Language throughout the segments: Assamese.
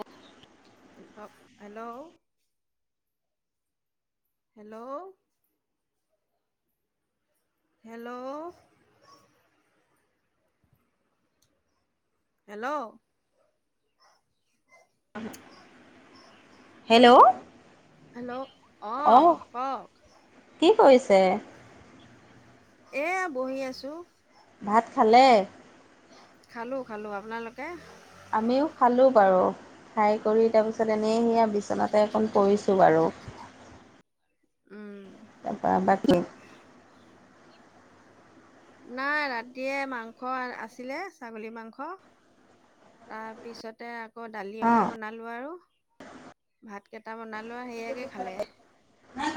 অ। হে ক hello. Hello. Hello. Hello. Hello. Hello অঁ অহ কওঁক? কি কৰিছে এইয়া বহি আছোঁ। ভাত খালে? খালোঁ খালোঁ আপোনালোকে? আমিও খালোঁ বাৰু ফ্ৰাই কৰি তাৰপিছত এনেই সেয়া বিচনাতে অকণ পৰিছোঁ বাৰু। উম। তা পা বাকী? নাই ৰাতিয়ে মাংস আছিলে ছাগলী মাংস। তাৰপিছতে আকৌ দালি অঁ অকণ বনালোঁ আৰু। ভাত কেইটা বনালো সেয়াকে খালে আ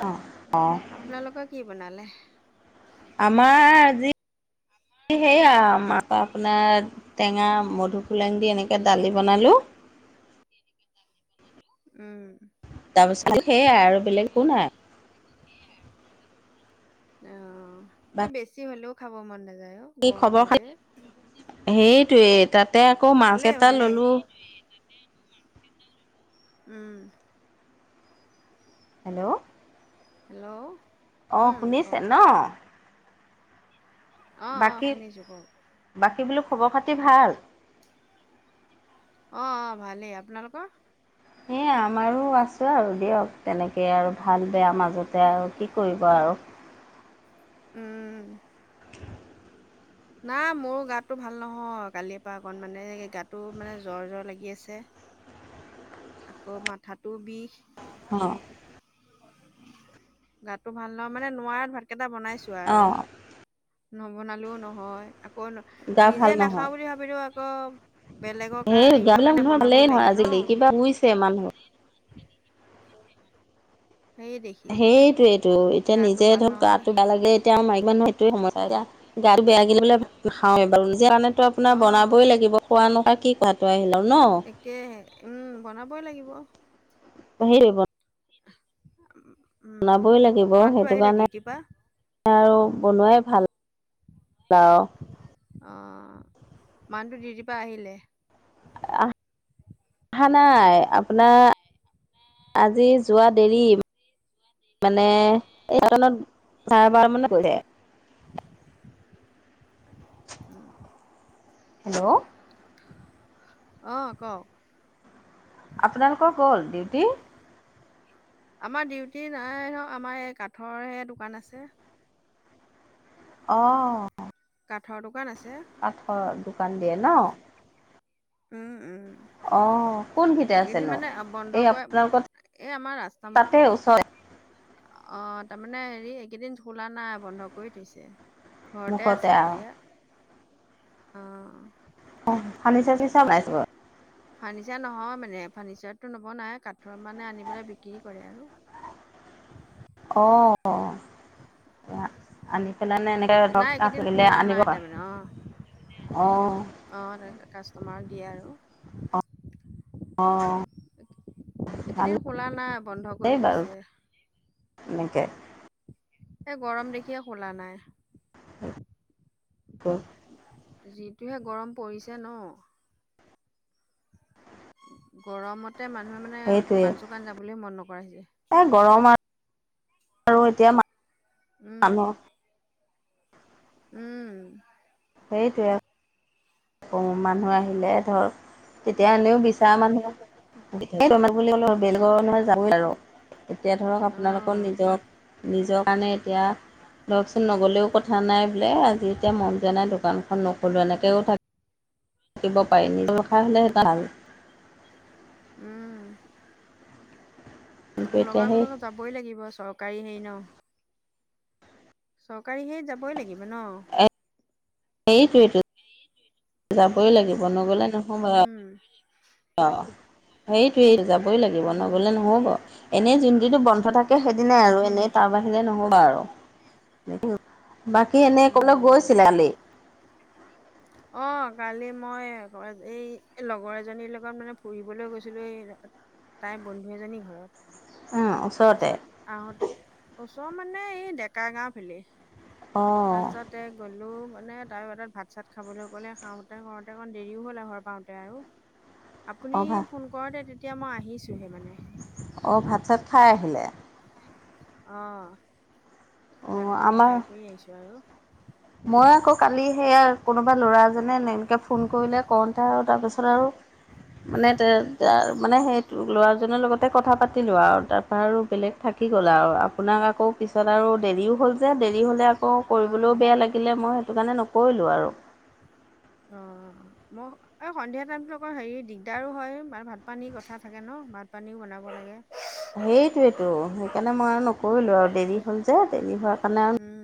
অঁ অঁ আপোনালোক কি বনালে? আমাৰ যি সেইয়া মাক ব্লাদ টেঙা মধু পোলেং দি এনেকে দালি বনালো। দি দিবি দালিত। হেল্ল উম। তাপাছতো সেয়াই আৰু। [unintelligible] বেলেগ একো নাই অ বেছি হ'লেও। খাব মন নাযায় অ। কি খবৰ গৰমতে খাতি [unintelligible] সেইটোৱে তাতে আকৌ মাছ ভালেই এটা ভালেই ললোঁ। উম। হেল্ল'। হেল্ল' অ উম শুনিছে কওক ন, অ অ বাকী শুনিছোঁ কওঁক। বাকী বোলোঁ খবৰ খাতি ভাল? অ অ ভালেই, আপোনালোকৰ? সেই আমাৰো আছোঁ আৰু দিয়ক তেনেকে আৰু ভাল বেয়া মাজতে আৰু কি কৰিব আৰু। উম। না মোৰ গাতটো ভাল নহয় কালিৰ পৰা অকনমানে গাতটো মানে জ্বৰ জ্বৰ লাগি আছে। আকৌ মাথাটো বিষ। অ। গাটো ভাল নহ মানে নোৱাৰাত ভাতকেইটা বনাইছোঁ। ছোও আৰু অ', নবনালেও নহয় আকৌ গা নিজে ভাল নহয়। নাখাওঁ বুলি ভাবিলোঁ আকৌ বেলেগৰ কাৰ সেই ইতৰ কাৰণে বনাবই লাগে ন। তে‌ মানুহক [unintelligible] [inaudible] সেই দেখি সেইটোয়েইটো এতিয়া গাটো নিজে ভাল ধৰক নহয় গাটো বেয়া লাগিলে এতিয়া আমা মাইকি মানুহ সেইটোয়ে সমস্যা এতিয়া গাটো বেয়া লাগিলে বোলে। নাখাওৱেই বাৰু নিজে কাৰণেতো আপোনাৰ অঁ বনাবই লাগিব কোৱা নোখোৱা কি কাৰণটো আহিল আৰু ন। কে উম বনাব লাগিব। [unintelligible] [inaudible] [unintelligible] বনাবই লাগিব মানুহটো সেইটো আহিলে কাৰণে ডিউটিৰ পৰা আৰু বনোৱাই ভাল। বা অ অ মানুহটো দিউটিৰ পৰা আহিলে? অ আহা নাই আপোনাৰ আজি যোৱা দেৰি মানে এঘাৰটনত চাৰে বাৰ মানত গৈছে। উম। হেল্ল'। অ কও। আপোনালোকৰ গ'ল ডিউটি। আমাৰ ডিউটি নাই ন আমাৰ এই কাঠৰহে দোকান আছে। অহ। কাঠৰ দোকান আছে। কাঠৰ দোকান দিয়ে ন। উম, উম। অ কোনঘিতে আছেনো? এই আপোনালোকৰ। এ আমাৰ ৰাস্তাম তাতে ওচৰতে অ তাৰমানে হেৰি এইকেইদিন খোলা নাই। বন্ধ কৰি থৈছে। ঘৰতে আছে আৰু এতিয়া অ। অ ফাৰ্নি চাচি চব ওলাই যাব। ফাৰ্নিচাৰ নহয় মানে ফাৰ্নিচাৰতটো নবনাই কাঠৰ মানে আনিবেলে বিক্ৰী কৰে আৰু। অ। আনি পেলানে এনেকে নাই ধবকা এইকেইদিন ছিগিলে খোলা আনিব নাই পাৰ। তাৰমানে অ অহ। অ তা কাষ্টমাৰক দিয়ে আৰু। অহ। এইকেইদিন খোলা নাই বন্ধ কৰি থৈছে। এনেকে। এ গৰম দেখিয়ে খোলা নাই। অ। যিটোহে গৰম পৰিছে ন। গৰমতে মানুহে মানে সেইটোৱে দোকান চোকান যাবলৈ মন নকৰা হৈছে। এই গৰম আৰ আৰু এতিয়া মা- উম। উম। সেইটোৱে। মানুহ আহিলে ধৰ তেতিয়া এনেও বিচাৰ মানুহ। [unintelligible] বুলি কলেও বেলগৰ নহয়, যাৱই আৰু। এতিয়া ধৰক অ আপোনালোকৰ নিজৰ নিজৰ কাৰণে এতিয়া। ধৰকচোন নগ'লেও কথা নাই বোলে। আজি এতিয়া মন য নাই দোকানখন নোখোলো এনেকৈও থাক- থাকিব পাৰি নিজৰ ব্যৱসায় হ'লে সেই এটা ভাল। উম। কিন্তু আপোনাৰ এতিয়া লোগৰ জন যাবই লাগিব চৰকাৰী হেৰি ন। চৰকাৰী সে যাবই লাগিব ন। সেইটোৱেতো। যাবই লাগিব নগ'লে ন- উম। অ সেইটোৱেই যাবই লাগিব নগ'লে উম নহ'ব এনেই যোনদিতো বন্ধ থাক- তে সেইদিনাই আৰু এনেই তাৰ বাহিৰে নহ'বা আৰু [unintelligible] বাক। সি এনে ক'লে উম গৈছিলে কালি। অ কালি মই এই লগৰ এজনীৰ লগত মানে ফুৰিবলৈ গৈছিলো এই ৰা- তাইৰ বন্ধু এজনী ঘৰত। উম, ওচৰতে তাৰপিছত আহোঁতে ওচৰ মানে এই ডেকা গাওঁ ফালে। অঁ তাৰ পিছতে গ'লো মানে তাৰত ভাত চাত খাবলৈ গ'লে খাওঁতে - খাওঁতে অকণ দেৰিও হ'ল ঘৰ পাওঁতে আৰু অঁ আপুনি ভা ফোন কৰতে তেতিয়া মই আহিছোঁহে মানে। অঁ ভাত - চাত খাই আহিলে। অ অঁ ভাত - পানী আমাৰ খাই কৰি আহিছো আৰু। মই আকৌ কালি সেয়া কোনোবা ল'ৰা এজনে এনেকে ফোন কৰিলে কওঁতে আৰু তাৰপিছত আৰু মানে তে তাৰ মানে সেই ল'ৰাজনৰ লগতে কথা পাতিলোঁ আও তাৰপা আৰু বেলেগ থাকি গ'ল আও আপোনাক আকৌ পিছত আৰু দেৰিও হ'ল যে দেৰি হ'লে আকৌ অঁ কৰিবলও বেয়া লাগিলে মই সেইটো কাৰণে নকৰিলোঁ আৰু। অ ম এই সন্ধিয়া টাইমতো আক হেই দিগদাৰো হয় মা ভাত - পানী কথা থাকে ন ভাত - পানীও বনাব লাগে। সেইটোৱেতো, সেইকাৰণে মই আৰু নকৰিলো আৰু দেৰি হ'ল যে, দেৰি হোৱাৰ কাৰণে আৰু উম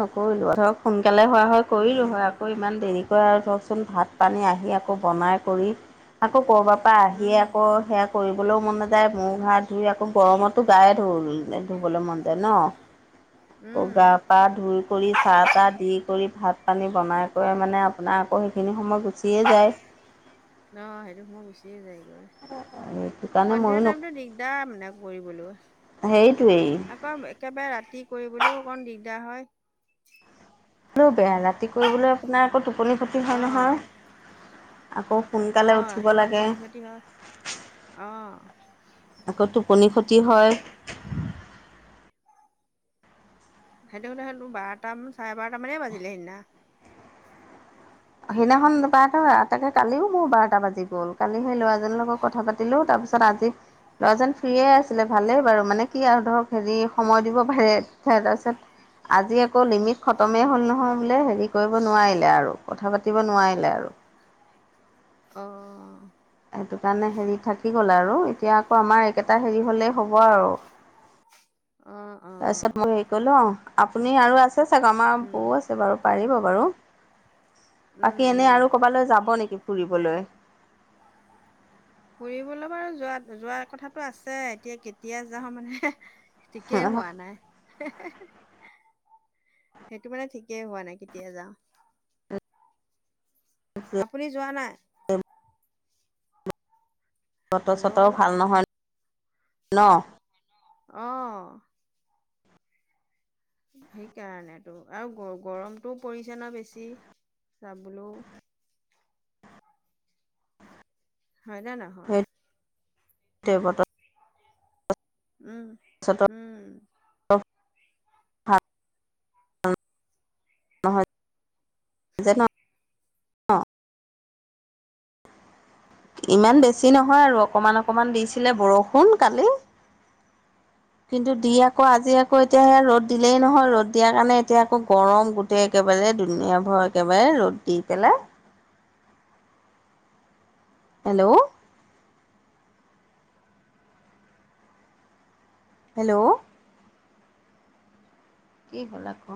নকৰিলো ধৰক সোনকালে হোৱা হয় কৰিলো উম হয় আকৌ ইমান দেৰি ত‌ই আই ক‌ওকচোন ভাত - পানী আহি আকৌ বনাই কৰি আকৌ কৰবা পা আহি উম আকৌ সেৱা কৰিবলৈও মন নাযায়, মুখ - হাত ধুই আকৌ গৰমতো গায়ে ধু ধুবলৈ মন যায় ন। হয়। [inaudible] কগা পা ধুই কৰি চাহ - তাহ দি কৰি ভাত - পানী বনাই কৰি মানে আপোনাৰ আকৌ সেইখিনি সময় গু চিয়ে যায়। ন সেইটো সময় গুচিয়ে যায়গৈ, সেইটো কাৰণে ময়ো সন্ধিয়া ন টাইমতো দিগদাৰ মানে। কৰিবলো। সেইটোৱেই। আকৌ এ একেবাৰে ৰাতি কৰিবলৈও অকণ দিগদাৰ হয়। হেটো বেয়া ৰাতি কৰিবলৈ আপোনাৰ আকৌ টোপনি খতি হয় নহয় আকৌ সোনকালে অঁ উঠিব সেইটো লাগে টোপনি খতি হয় অঁ। আকৌ টোপনি ক্ষতি হয়। সেইটো হ'লে সেইটো বাৰটামান চাৰে বাৰটামানেই বাজিলে সেইদিনা। সেইদিনাখন বাৰটা তাকে কালিও মোৰ বাৰটা বাজি গ'ল, কালি সেই ল'ৰাজনৰ লগত কথা পাতিলো তাৰপিছত আজি ল'ৰাজন ফ্ৰীয়ে আছিলে ভালেই বাৰু মানে কি আৰু ধৰক হেৰি সময় দিব পাৰে হে তাৰপাছত আজি আকৌ লিমিট খতমেই উম হ'ল নহয় বোলে হেৰি কৰিব নোৱাৰিলে আৰু কথা পাতিব নোৱাৰিলে আৰু। অ। সেইটো কাৰণে হেৰি থাকি গ'ল আৰু এতিয়া আকৌ আমাৰ একেটা হেৰি হ'লেই হ'ব আৰু। অ অ তাৰপিছত মই হেৰি কৰিলো আও আপুনি আৰু আছে চাগে আমাৰ উম বৌ আছে বাৰু। পাৰিব বাৰু, উম বাকী এনে উম আৰু কবালৈ যাব নেকি ফুৰিবলৈ? ফুৰিবলৈ বাৰু যোৱাত যোৱাৰ কথাটো আছে এতিয়া কেতিয়া যাওঁ মানে হে। ঠিকেই হোৱা বতৰ নাই। হে হে হে, সেইটো মানে ঠিকেই হোৱা নাই কেতিয়া যাওঁ। আপুনি যোৱা নাই? বতৰ - চটৰ হেল্ল' ভাল নহয় ন? অ। সেইকাৰণেতো আৰু গ গৰমটোও পৰিছে ন বেছি জাবলো। হয় নে নহয়? তে বতৰ উম উম। অ হা উম। [inaudible] যেন অ। ইমান বেছি নহয় আৰু অকমান অকমান দিছিলে বৰষুণ কালি। [inaudible] কিন্তু দি আকৌ আজি আকৌ এতিয়া সে ৰ'দ দিলেই নহয় ৰ'দ দিয়াৰ কাৰণে এতিয়া আকৌ গৰম গোটেই একেবাৰে দুুনীয়া ভৰ একেবাই ৰ'দ দি পেলাই। হেল্লো। ' হেল্ল' কি হ'ল আকৌ?